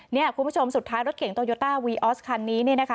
เนี่ยคุณผู้ชมสุดท้ายรถเก่งโตโยต้าวีออสคันนี้เนี่ยนะคะ